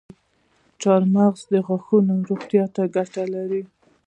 چارمغز د غاښونو روغتیا ته ګټه لري.